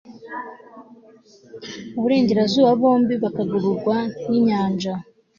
iburengerazuba bombi bakagarurwa n'inyanja